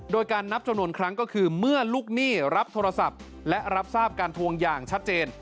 โดยการนับจำนวนครั้งก็คือเมื่อลูกหนี้รับโทรศัพท์และรับทราบการทวงอย่างชัดเจน